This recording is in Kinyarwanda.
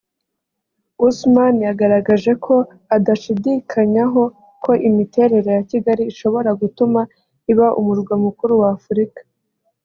Ousmane yagaragaje ko adashidikanyaho ko imiterere ya Kigali ishobora gutuma iba umurwa mukuru wa Afurika